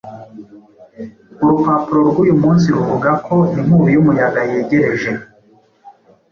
Urupapuro rwuyu munsi ruvuga ko inkubi y'umuyaga yegereje.